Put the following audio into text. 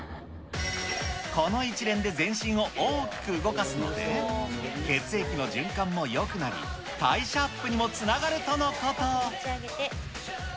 この一連で全身を大きく動かすので、血液の循環もよくなり、代謝アップにもつながるとのこと。